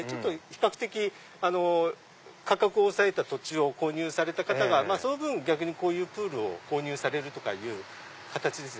比較的価格を抑えた土地を購入された方がその分逆にこういうプールを購入されるとかいう形ですね。